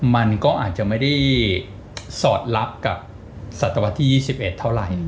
มันก็อาจจะไม่ได้สอดรับกับศตวรรษที่๒๑เท่าไหร่